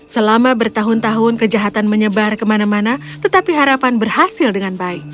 selama bertahun tahun kejahatan menyebar kemana mana tetapi harapan berhasil dengan baik